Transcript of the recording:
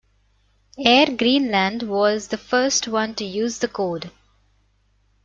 Air Greenland was the first one to use the code.